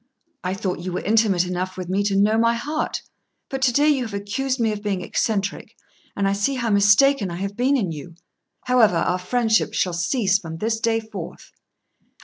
I thought you were intimate enough with me to know my heart; but to day you have accused me of being eccentric, and I see how mistaken I have been in you. However, our friendship shall cease from this day forth."